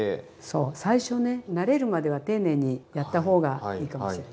そう最初ね慣れるまでは丁寧にやったほうがいいかもしれない。